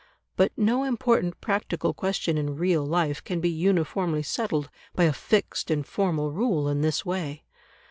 But no important practical question in real life can be uniformly settled by a fixed and formal rule in this way.